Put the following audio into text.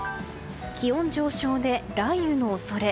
気温上昇で雷雨の恐れ。